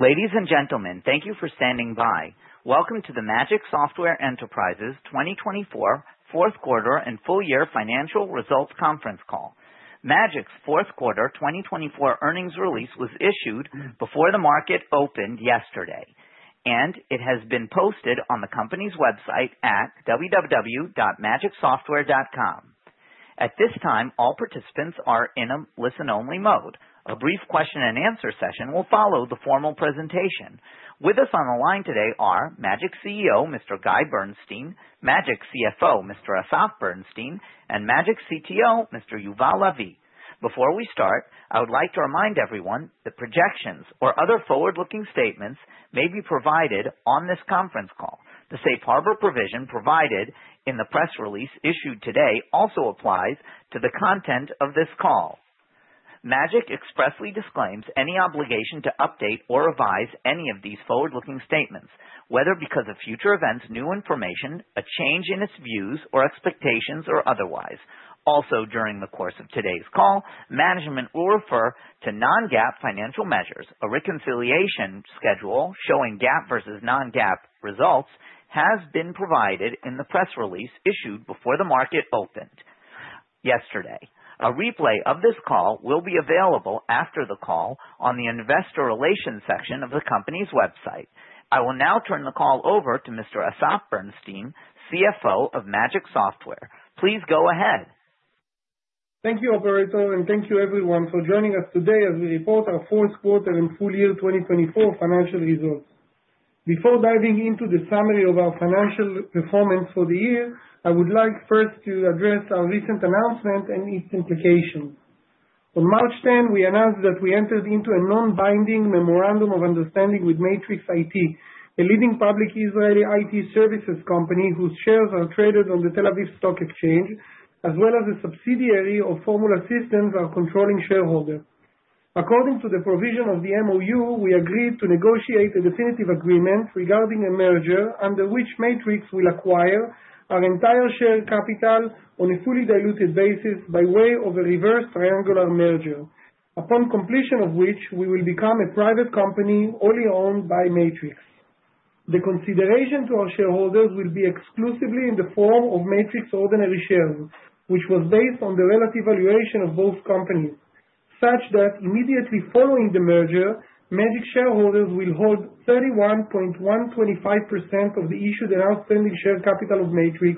Ladies and gentlemen, thank you for standing by. Welcome to the Magic Software Enterprises 2024 Fourth Quarter and Full Year Financial Results conference call. Magic's Fourth Quarter 2024 earnings release was issued before the market opened yesterday, and it has been posted on the company's website at www.magicsoftware.com. At this time, all participants are in a listen-only mode. A brief question-and-answer session will follow the formal presentation. With us on the line today are Magic CEO, Mr. Guy Bernstein; Magic CFO, Mr. Asaf Berenstin; and Magic CTO, Mr. Yuval Lavi. Before we start, I would like to remind everyone that projections or other forward-looking statements may be provided on this conference call. The safe harbor provision provided in the press release issued today also applies to the content of this call. Magic expressly disclaims any obligation to update or revise any of these forward-looking statements, whether because of future events, new information, a change in its views, or expectations, or otherwise. Also, during the course of today's call, management will refer to non-GAAP financial measures. A reconciliation schedule showing GAAP versus non-GAAP results has been provided in the press release issued before the market opened yesterday. A replay of this call will be available after the call on the investor relations section of the company's website. I will now turn the call over to Mr. Asaf Berenstin, CFO of Magic Software. Please go ahead. Thank you, Operator. Thank you, everyone, for joining us today as we report our fourth quarter and full year 2024 financial results. Before diving into the summary of our financial performance for the year, I would like first to address our recent announcement and its implications. On March 10, we announced that we entered into a non-binding memorandum of understanding with Matrix IT, a leading public Israeli IT services company whose shares are traded on the Tel Aviv Stock Exchange, as well as a subsidiary of Formula Systems, our controlling shareholder. According to the provision of the MoU, we agreed to negotiate a definitive agreement regarding a merger under which Matrix will acquire our entire share capital on a fully diluted basis by way of a reverse triangular merger, upon completion of which we will become a private company only owned by Matrix. The consideration to our shareholders will be exclusively in the form of Matrix ordinary shares, which was based on the relative valuation of both companies, such that immediately following the merger, Magic shareholders will hold 31.125% of the issued and outstanding share capital of Matrix,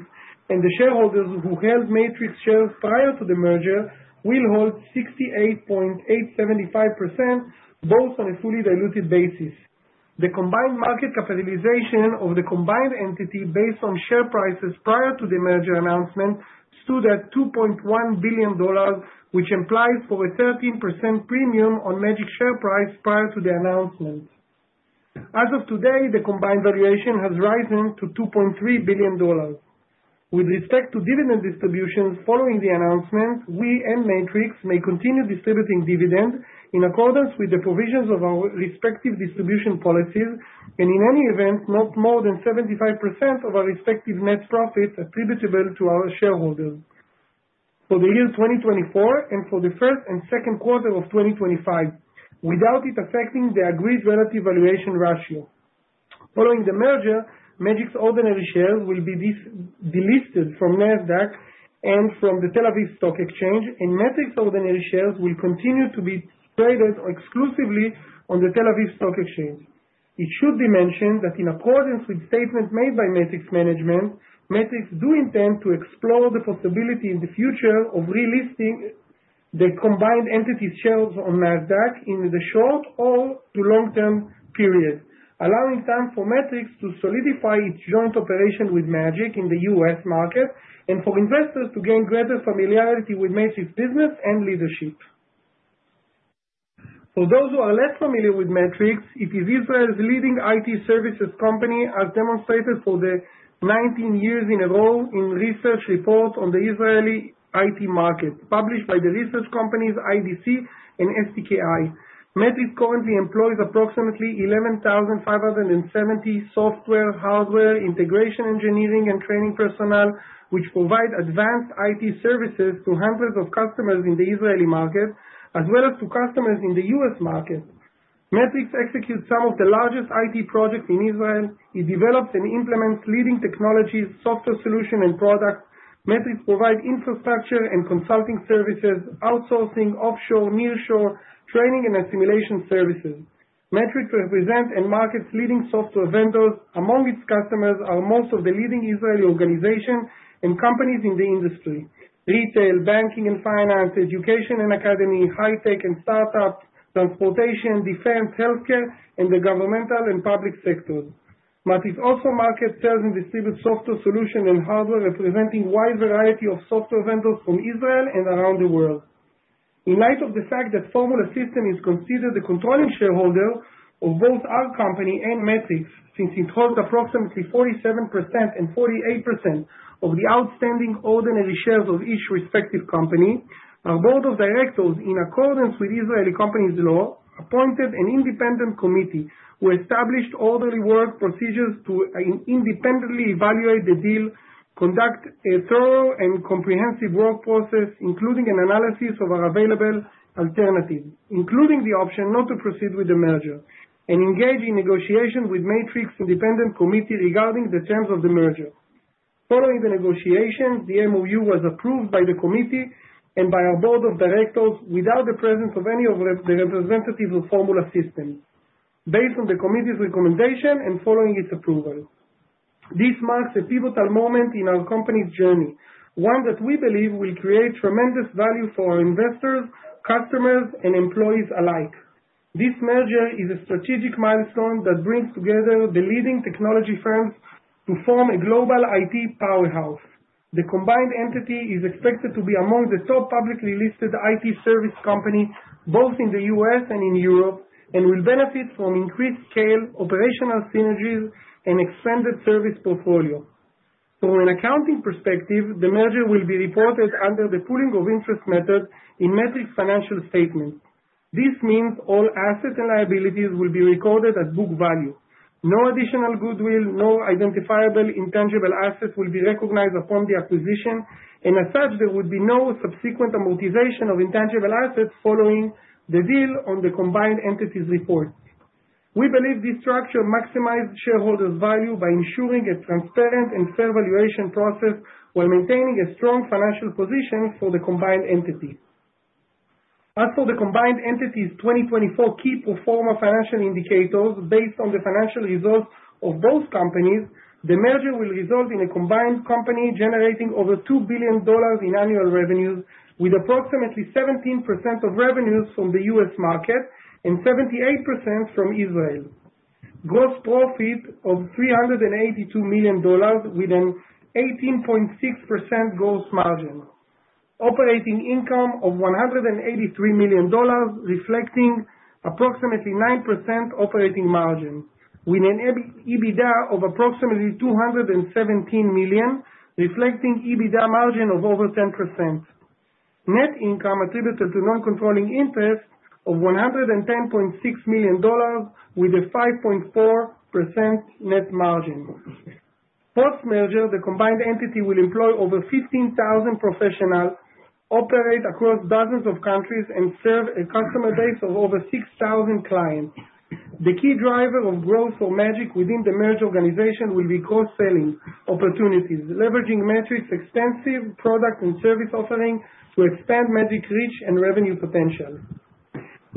and the shareholders who held Matrix shares prior to the merger will hold 68.875%, both on a fully diluted basis. The combined market capitalization of the combined entity based on share prices prior to the merger announcement stood at $2.1 billion, which implies for a 13% premium on Magic's share price prior to the announcement. As of today, the combined valuation has risen to $2.3 billion. With respect to dividend distributions following the announcement, we and Matrix may continue distributing dividends in accordance with the provisions of our respective distribution policies, and in any event, not more than 75% of our respective net profits attributable to our shareholders for the year 2024 and for the first and second quarter of 2025, without it affecting the agreed relative valuation ratio. Following the merger, Magic's ordinary shares will be delisted from NASDAQ and from the Tel Aviv Stock Exchange, and Matrix's ordinary shares will continue to be traded exclusively on the Tel Aviv Stock Exchange. It should be mentioned that in accordance with statements made by Matrix management, Matrix does intend to explore the possibility in the future of relisting the combined entity's shares on NASDAQ in the short or the long-term period, allowing time for Matrix to solidify its joint operation with Magic in the U.S. market and for investors to gain greater familiarity with Matrix's business and leadership. For those who are less familiar with Matrix, it is Israel's leading IT services company, as demonstrated for 19 years in a row in research report on the Israeli IT market, published by the research companies IDC and STKI. Matrix currently employs approximately 11,570 software, hardware, integration, engineering, and training personnel, which provide advanced IT services to hundreds of customers in the Israeli market, as well as to customers in the U.S. market. Matrix executes some of the largest IT projects in Israel. It develops and implements leading technologies, software solutions, and products. Matrix provides infrastructure and consulting services, outsourcing, offshore, nearshore, training, and assimilation services. Matrix represents and markets leading software vendors. Among its customers are most of the leading Israeli organizations and companies in the industry: retail, banking and finance, education and academy, high-tech and startups, transportation, defense, healthcare, and the governmental and public sectors. Matrix also markets, sells, and distributes software solutions and hardware, representing a wide variety of software vendors from Israel and around the world. In light of the fact that Formula Systems is considered the controlling shareholder of both our company and Matrix, since it holds approximately 47% and 48% of the outstanding ordinary shares of each respective company, our board of directors, in accordance with Israeli companies' law, appointed an independent committee who established orderly work procedures to independently evaluate the deal, conduct a thorough and comprehensive work process, including an analysis of our available alternatives, including the option not to proceed with the merger, and engage in negotiations with Matrix's independent committee regarding the terms of the merger. Following the negotiations, the MoU was approved by the committee and by our board of directors without the presence of any of the representatives of Formula Systems, based on the committee's recommendation and following its approval. This marks a pivotal moment in our company's journey, one that we believe will create tremendous value for our investors, customers, and employees alike. This merger is a strategic milestone that brings together the leading technology firms to form a global IT powerhouse. The combined entity is expected to be among the top publicly listed IT service companies both in the U.S. and in Europe and will benefit from increased scale, operational synergies, and an expanded service portfolio. From an accounting perspective, the merger will be reported under the pooling of interest method in Matrix's financial statements. This means all assets and liabilities will be recorded at book value. No additional goodwill, no identifiable intangible assets will be recognized upon the acquisition, and as such, there would be no subsequent amortization of intangible assets following the deal on the combined entity's report. We believe this structure maximizes shareholders' value by ensuring a transparent and fair valuation process while maintaining a strong financial position for the combined entity. As for the combined entity's 2024 key performance financial indicators based on the financial results of both companies, the merger will result in a combined company generating over $2 billion in annual revenues, with approximately 17% of revenues from the U.S. market and 78% from Israel, gross profit of $382 million, with an 18.6% gross margin, operating income of $183 million, reflecting approximately 9% operating margin, with an EBITDA of approximately $217 million, reflecting EBITDA margin of over 10%, net income attributed to non-controlling interest of $110.6 million, with a 5.4% net margin. Post-merger, the combined entity will employ over 15,000 professionals, operate across dozens of countries, and serve a customer base of over 6,000 clients. The key driver of growth for Magic within the merger organization will be cross-selling opportunities, leveraging Matrix's extensive product and service offering to expand Magic's reach and revenue potential.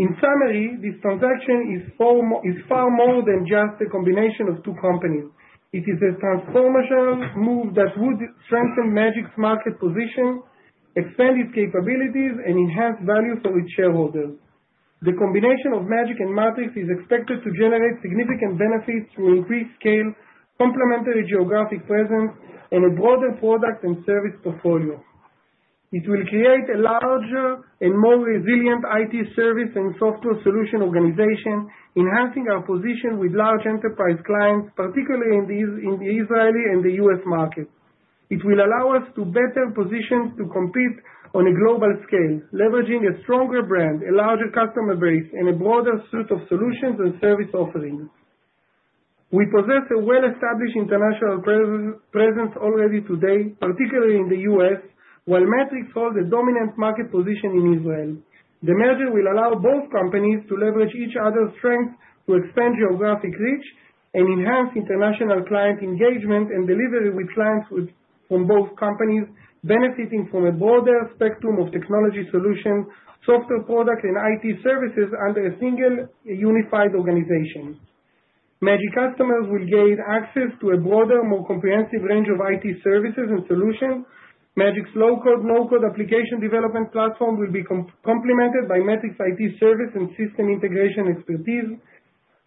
In summary, this transaction is far more than just a combination of two companies. It is a transformational move that would strengthen Magic's market position, expand its capabilities, and enhance value for its shareholders. The combination of Magic and Matrix is expected to generate significant benefits through increased scale, complementary geographic presence, and a broader product and service portfolio. It will create a larger and more resilient IT service and software solution organization, enhancing our position with large enterprise clients, particularly in the Israeli and the U.S. markets. It will allow us to better position to compete on a global scale, leveraging a stronger brand, a larger customer base, and a broader suite of solutions and service offerings. We possess a well-established international presence already today, particularly in the U.S., while Matrix holds a dominant market position in Israel. The merger will allow both companies to leverage each other's strengths to expand geographic reach and enhance international client engagement and delivery with clients from both companies, benefiting from a broader spectrum of technology solutions, software products, and IT services under a single unified organization. Magic customers will gain access to a broader, more comprehensive range of IT services and solutions. Magic's low-code, no-code application development platform will be complemented by Matrix's IT service and system integration expertise.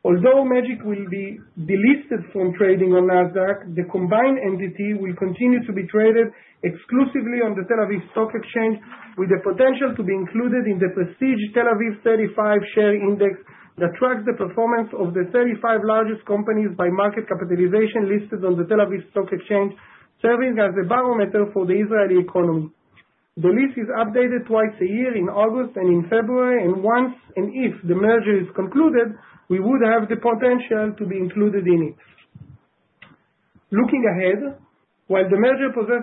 Although Magic will be delisted from trading on NASDAQ, the combined entity will continue to be traded exclusively on the Tel Aviv Stock Exchange, with the potential to be included in the prestige Tel Aviv 35 share index that tracks the performance of the 35 largest companies by market capitalization listed on the Tel Aviv Stock Exchange, serving as a barometer for the Israeli economy. The list is updated twice a year, in August and in February, and once and if the merger is concluded, we would have the potential to be included in it. Looking ahead, while the merger process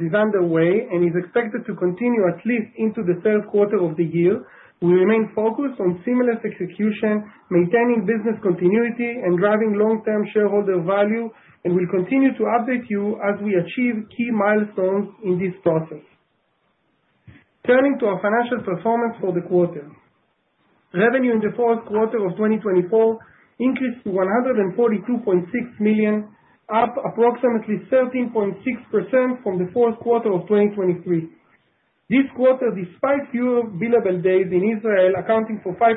is underway and is expected to continue at least into the third quarter of the year, we remain focused on seamless execution, maintaining business continuity and driving long-term shareholder value, and will continue to update you as we achieve key milestones in this process. Turning to our financial performance for the quarter, revenue in the fourth quarter of 2024 increased to $142.6 million, up approximately 13.6% from the fourth quarter of 2023. This quarter, despite fewer billable days in Israel, accounting for 5%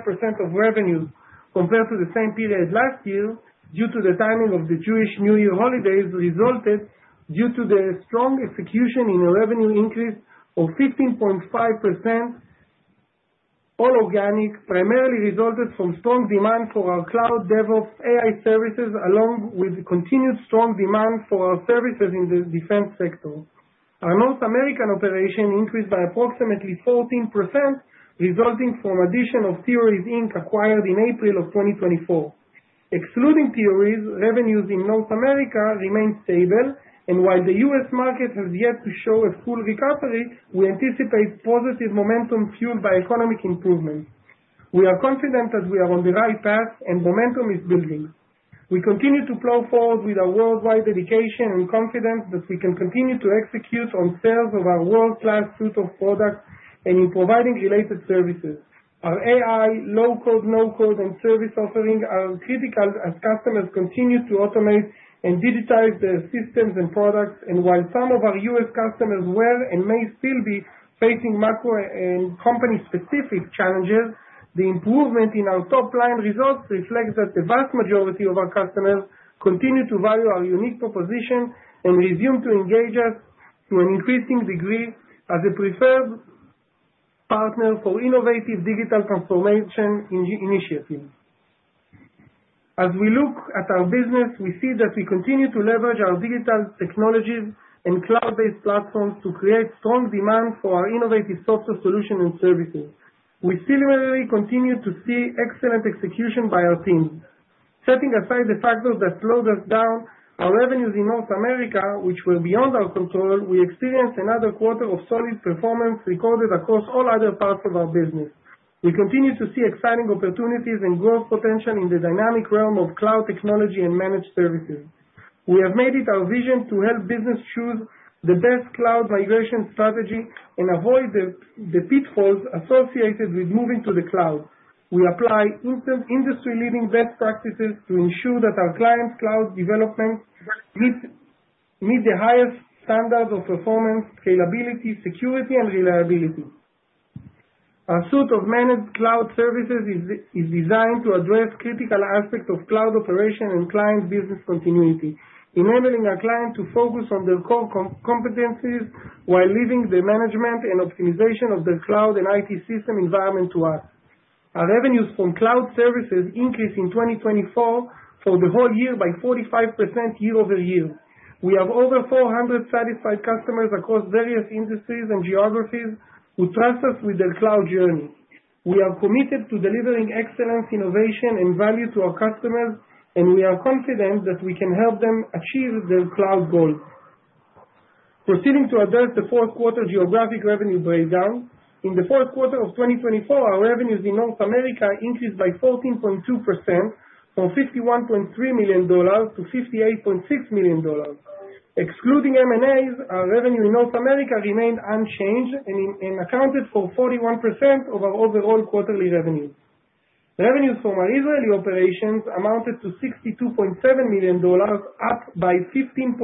of revenues compared to the same period last year due to the timing of the Jewish New Year holidays, resulted due to the strong execution in a revenue increase of 15.5%, all organic, primarily resulted from strong demand for our cloud DevOps AI services, along with continued strong demand for our services in the defense sector. Our North American operation increased by approximately 14%, resulting from addition of Theoris Inc acquired in April of 2024. Excluding Theoris, revenues in North America remain stable, and while the U.S. market has yet to show a full recovery, we anticipate positive momentum fueled by economic improvements. We are confident that we are on the right path, and momentum is building. We continue to plow forward with our worldwide dedication and confidence that we can continue to execute on sales of our world-class suite of products and in providing related services. Our AI, low-code, no-code, and service offering are critical as customers continue to automate and digitize their systems and products, and while some of our U.S. customers were and may still be facing macro and company-specific challenges, the improvement in our top-line results reflects that the vast majority of our customers continue to value our unique proposition and resume to engage us to an increasing degree as a preferred partner for innovative digital transformation initiatives. As we look at our business, we see that we continue to leverage our digital technologies and cloud-based platforms to create strong demand for our innovative software solutions and services. We similarly continue to see excellent execution by our teams. Setting aside the factors that slowed us down, our revenues in North America, which were beyond our control, we experienced another quarter of solid performance recorded across all other parts of our business. We continue to see exciting opportunities and growth potential in the dynamic realm of cloud technology and managed services. We have made it our vision to help businesses choose the best cloud migration strategy and avoid the pitfalls associated with moving to the cloud. We apply industry-leading best practices to ensure that our clients' cloud developments meet the highest standards of performance, scalability, security, and reliability. Our suite of managed cloud services is designed to address critical aspects of cloud operation and client business continuity, enabling our clients to focus on their core competencies while leaving the management and optimization of their cloud and IT system environment to us. Our revenues from cloud services increased in 2024 for the whole year by 45% year over year. We have over 400 satisfied customers across various industries and geographies who trust us with their cloud journey. We are committed to delivering excellence, innovation, and value to our customers, and we are confident that we can help them achieve their cloud goals. Proceeding to address the fourth quarter geographic revenue breakdown, in the fourth quarter of 2024, our revenues in North America increased by 14.2% from $51.3 million to $58.6 million. Excluding M&As, our revenue in North America remained unchanged and accounted for 41% of our overall quarterly revenues. Revenues from our Israeli operations amounted to $62.7 million, up by 15.5%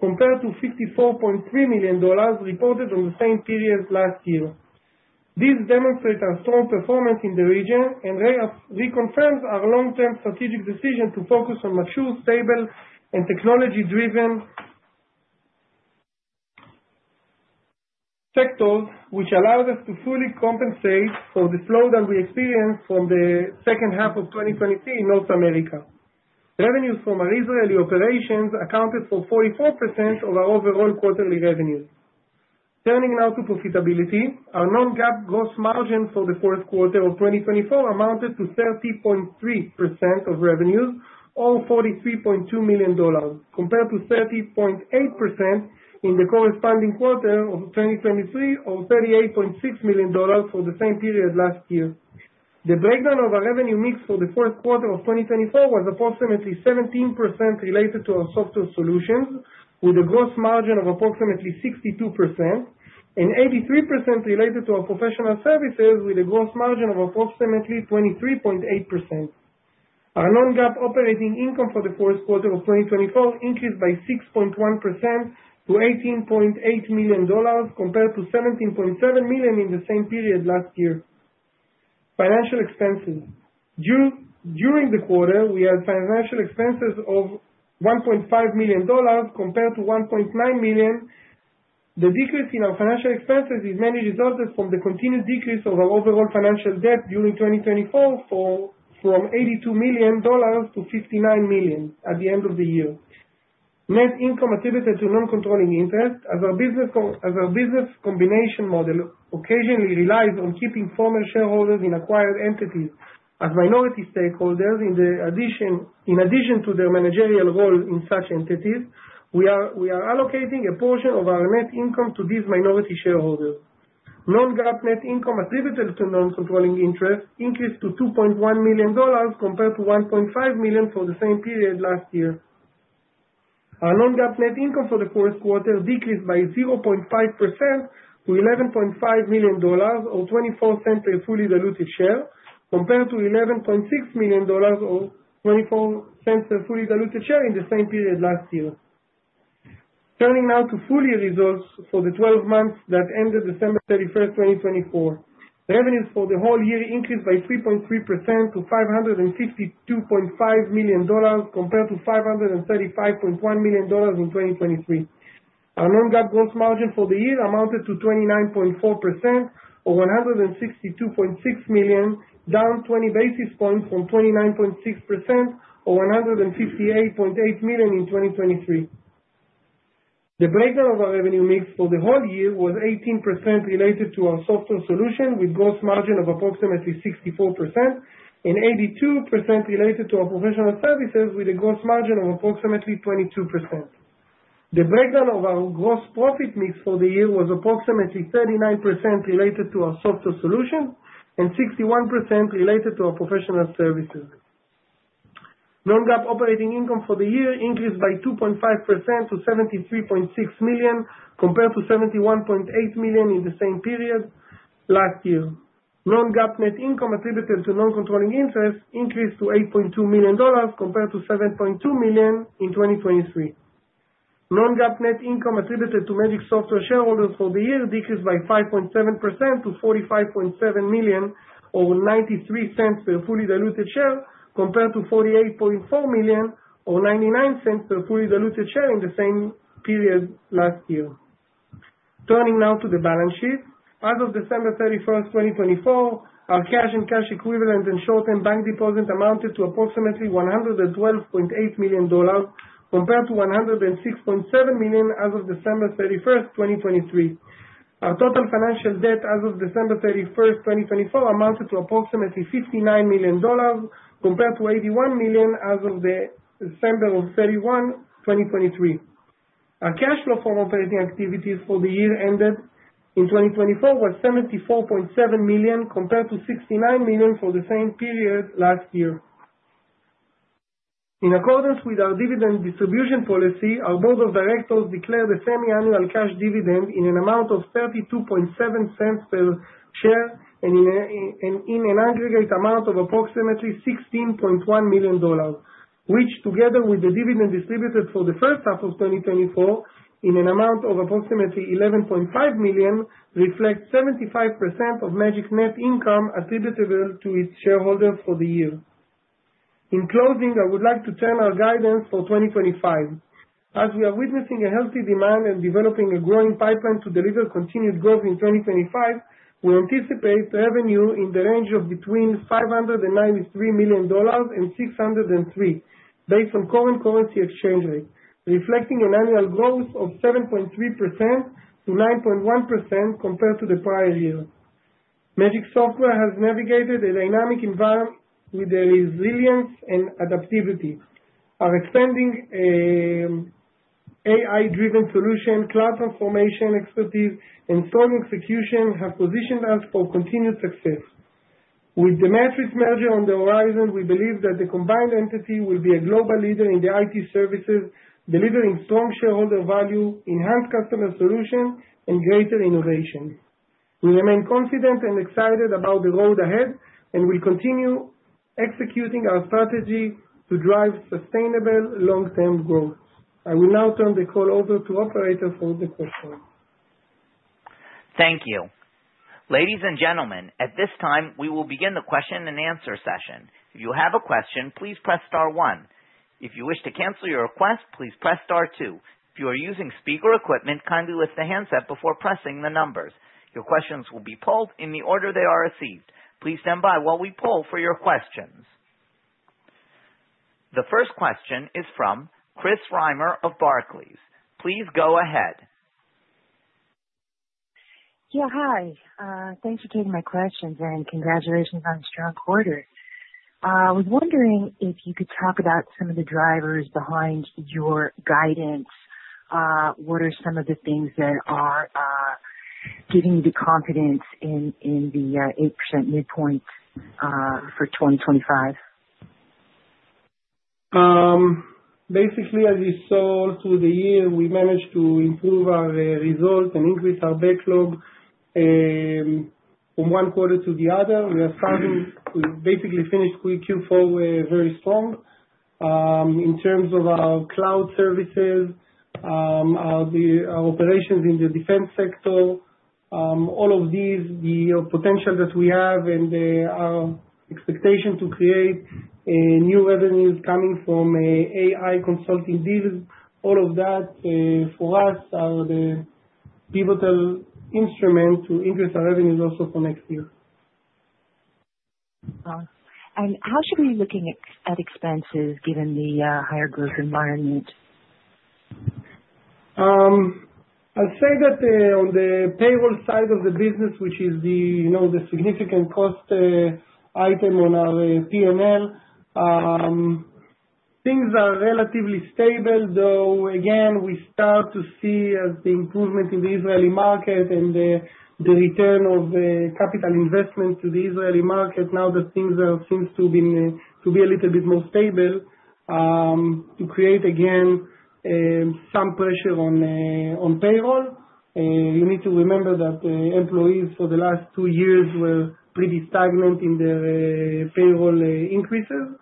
compared to $54.3 million reported in the same period last year. This demonstrates our strong performance in the region and reconfirms our long-term strategic decision to focus on mature, stable, and technology-driven sectors, which allows us to fully compensate for the slowdown we experienced from the second half of 2023 in North America. Revenues from our Israeli operations accounted for 44% of our overall quarterly revenues. Turning now to profitability, our non-GAAP gross margin for the fourth quarter of 2024 amounted to 30.3% of revenues, or $43.2 million, compared to 30.8% in the corresponding quarter of 2023, or $38.6 million for the same period last year. The breakdown of our revenue mix for the fourth quarter of 2024 was approximately 17% related to our software solutions, with a gross margin of approximately 62%, and 83% related to our professional services, with a gross margin of approximately 23.8%. Our non-GAAP operating income for the fourth quarter of 2024 increased by 6.1% to $18.8 million, compared to $17.7 million in the same period last year. During the quarter, we had financial expenses of $1.5 million compared to $1.9 million. The decrease in our financial expenses is mainly resulted from the continued decrease of our overall financial debt during 2024 from $82 million to $59 million at the end of the year. Net income attributed to non-controlling interest, as our business combination model occasionally relies on keeping former shareholders in acquired entities as minority stakeholders in addition to their managerial role in such entities, we are allocating a portion of our net income to these minority shareholders. Non-GAAP net income attributed to non-controlling interest increased to $2.1 million compared to $1.5 million for the same period last year. Our non-GAAP net income for the fourth quarter decreased by 0.5% to $11.5 million, or $0.24 per fully diluted share, compared to $11.6 million, or $0.24 per fully diluted share in the same period last year. Turning now to full-year results for the 12 months that ended December 31, 2024. Revenues for the whole year increased by 3.3% to $552.5 million compared to $535.1 million in 2023. Our non-GAAP gross margin for the year amounted to 29.4%, or $162.6 million, down 20 basis points from 29.6%, or $158.8 million in 2023. The breakdown of our revenue mix for the whole year was 18% related to our software solutions, with a gross margin of approximately 64%, and 82% related to our professional services, with a gross margin of approximately 22%. The breakdown of our gross profit mix for the year was approximately 39% related to our software solutions and 61% related to our professional services. Non-GAAP operating income for the year increased by 2.5% to $73.6 million compared to $71.8 million in the same period last year. Non-GAAP net income attributed to non-controlling interest increased to $8.2 million compared to $7.2 million in 2023. Non-GAAP net income attributed to Magic Software shareholders for the year decreased by 5.7% to $45.7 million, or $0.93 per fully diluted share, compared to $48.4 million, or $0.99 per fully diluted share in the same period last year. Turning now to the balance sheet. As of December 31, 2024, our cash and cash equivalent and short-term bank deposits amounted to approximately $112.8 million compared to $106.7 million as of December 31, 2023. Our total financial debt as of December 31, 2024, amounted to approximately $59 million compared to $81 million as of December 31, 2023. Our cash flow from operating activities for the year ended in 2024 was $74.7 million compared to $69 million for the same period last year. In accordance with our dividend distribution policy, our Board of Directors declared a semiannual cash dividend in an amount of $0.327 per share and in an aggregate amount of approximately $16.1 million, which, together with the dividend distributed for the first half of 2024 in an amount of approximately $11.5 million, reflects 75% of Magic's net income attributable to its shareholders for the year. In closing, I would like to turn our guidance for 2025. As we are witnessing a healthy demand and developing a growing pipeline to deliver continued growth in 2025, we anticipate revenue in the range of between $593 million and $603 million, based on current currency exchange rates, reflecting an annual growth of 7.3% to 9.1% compared to the prior year. Magic Software has navigated a dynamic environment with resilience and adaptability. Our expanding AI-driven solution, cloud transformation expertise, and strong execution have positioned us for continued success. With the Matrix merger on the horizon, we believe that the combined entity will be a global leader in IT services, delivering strong shareholder value, enhanced customer solutions, and greater innovation. We remain confident and excited about the road ahead and will continue executing our strategy to drive sustainable long-term growth. I will now turn the call over to Operator for the questions. Thank you. Ladies and gentlemen, at this time, we will begin the question and answer session. If you have a question, please press star one. If you wish to cancel your request, please press star two. If you are using speaker equipment, kindly lift the handset before pressing the numbers. Your questions will be polled in the order they are received. Please stand by while we poll for your questions. Yeah, hi. Thanks for taking my questions and congratulations on a strong quarter. I was wondering if you could talk about some of the drivers behind your guidance. What are some of the things that are giving you the confidence in the 8% midpoint for 2025? Basically, as you saw through the year, we managed to improve our results and increase our backlog from one quarter to the other. We basically finished Q4 very strong. In terms of our cloud services, our operations in the defense sector, all of these, the potential that we have and our expectation to create new revenues coming from AI consulting deals, all of that for us are the pivotal instrument to increase our revenues also for next year. How should we be looking at expenses given the higher growth environment? I'd say that on the payroll side of the business, which is the significant cost item on our P&L, things are relatively stable, though, again, we start to see the improvement in the Israeli market and the return of capital investment to the Israeli market now that things seem to be a little bit more stable to create, again, some pressure on payroll. You need to remember that employees for the last two years were pretty stagnant in their payroll increases.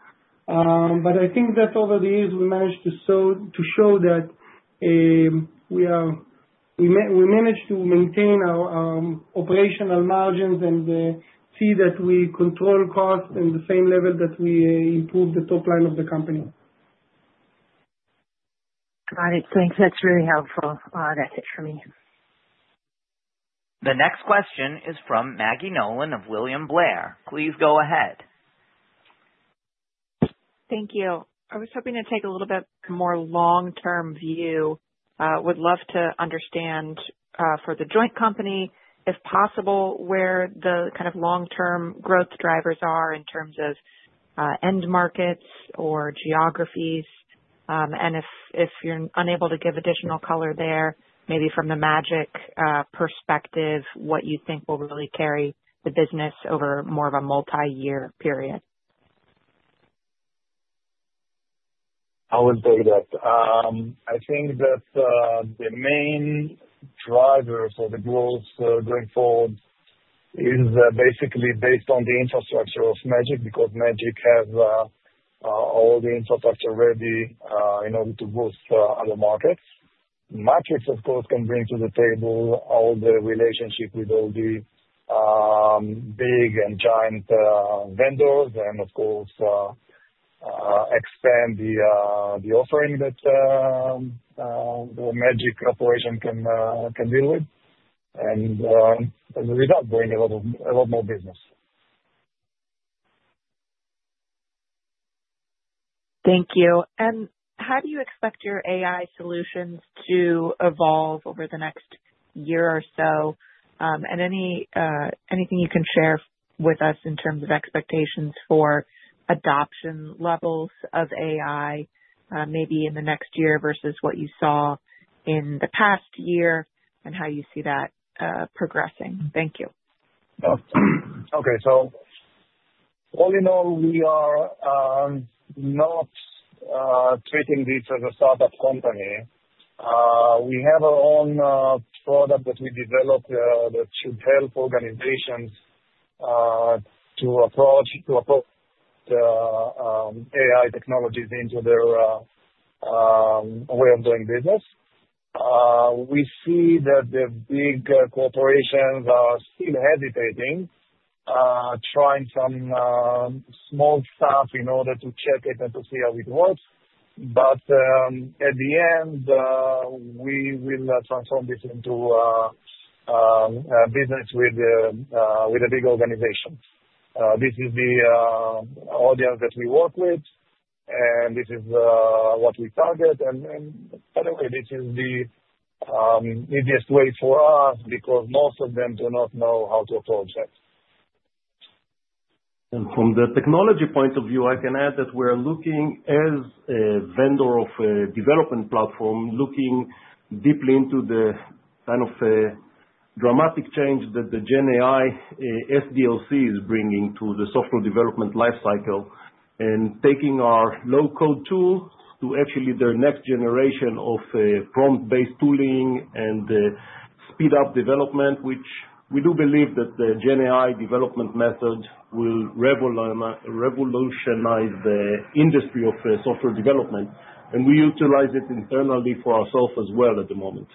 I think that over the years, we managed to show that we managed to maintain our operational margins and see that we control costs and the same level that we improve the top line of the company. Got it. Thanks. That's really helpful. That's it for me. The next question is from Maggie Nolan of William Blair. Please go ahead. Thank you. I was hoping to take a little bit more long-term view. Would love to understand for the joint company, if possible, where the kind of long-term growth drivers are in terms of end markets or geographies. If you're unable to give additional color there, maybe from the Magic perspective, what you think will really carry the business over more of a multi-year period. I would say that I think that the main driver for the growth going forward is basically based on the infrastructure of Magic because Magic has all the infrastructure ready in order to boost other markets. Matrix, of course, can bring to the table all the relationship with all the big and giant vendors and, of course, expand the offering that Magic Corporation can deal with and, as a result, bring a lot more business. Thank you. How do you expect your AI solutions to evolve over the next year or so? Anything you can share with us in terms of expectations for adoption levels of AI, maybe in the next year versus what you saw in the past year and how you see that progressing? Thank you. Okay. All in all, we are not treating this as a startup company. We have our own product that we developed that should help organizations to approach AI technologies into their way of doing business. We see that the big corporations are still hesitating, trying some small stuff in order to check it and to see how it works. At the end, we will transform this into a business with the big organizations. This is the audience that we work with, and this is what we target. By the way, this is the easiest way for us because most of them do not know how to approach that. From the technology point of view, I can add that we are looking as a vendor of a development platform, looking deeply into the kind of dramatic change that the GenAI SDLC is bringing to the software development lifecycle and taking our low-code tool to actually the next generation of prompt-based tooling and speed-up development, which we do believe that the GenAI development method will revolutionize the industry of software development. We utilize it internally for ourselves as well at the moment.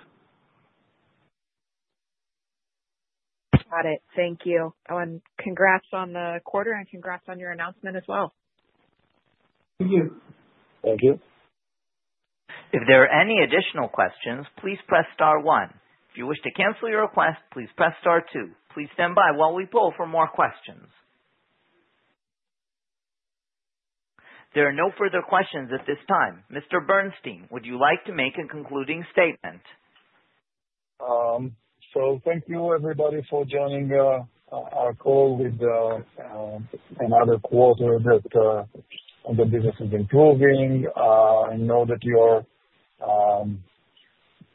Got it. Thank you. Congrats on the quarter and congrats on your announcement as well. Thank you. Thank you. If there are any additional questions, please press star one. If you wish to cancel your request, please press star two. Please stand by while we poll for more questions. There are no further questions at this time. Mr. Berenstin, would you like to make a concluding statement? Thank you, everybody, for joining our call with another quarter that the business is improving. I know that you're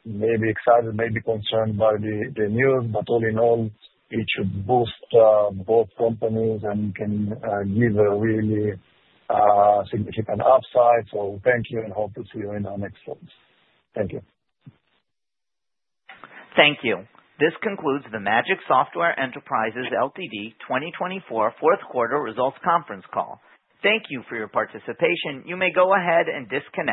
maybe excited, maybe concerned by the news, but all in all, it should boost both companies and can give a really significant upside. Thank you, and hope to see you in our next talks. Thank you. Thank you. This concludes the Magic Software Enterprises Ltd 2024 Fourth Quarter Results Conference Call. Thank you for your participation. You may go ahead and disconnect.